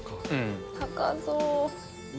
高そう。